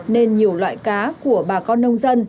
nên nhiều loại cá của bà con nông dân